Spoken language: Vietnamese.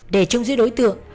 để trông giữ đối tượng